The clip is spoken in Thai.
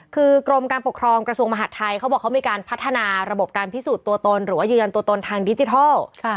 คือกรมการปกครองกระทรวงมหาดไทยเขาบอกเขามีการพัฒนาระบบการพิสูจน์ตัวตนหรือว่ายืนยันตัวตนทางดิจิทัล